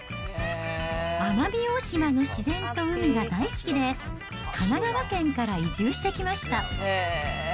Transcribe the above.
奄美大島の自然と海が大好きで、神奈川県から移住してきました。